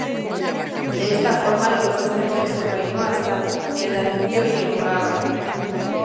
De esta forma, logró extender su reino hasta el Danubio y el Morava.